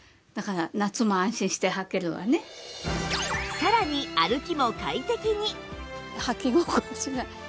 さらに歩きも快適に！